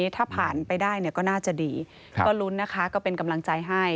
ดูแล้วรุนก็เป็นกำลังใจให้